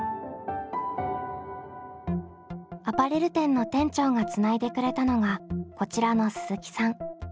アパレル店の店長がつないでくれたのがこちらの鈴木さん。